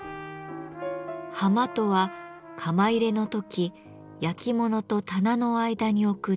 ハマとは窯入れの時焼き物と棚の間に置く小さな台。